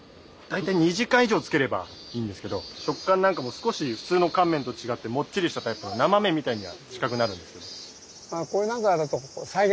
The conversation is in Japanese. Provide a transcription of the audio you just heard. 大体２時間以上つければいいんですけど食感なんかも少し普通の乾麺と違ってもっちりしたタイプの生麺みたいには近くなるんですけど。